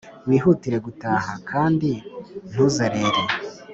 wihutire gutaha, kandi ntuzerere.